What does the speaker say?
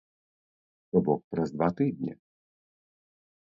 То бок, праз два тыдні.